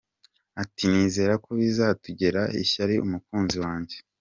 Ati “Nizereko bitaza gutera ishyari umukunzi wanjye .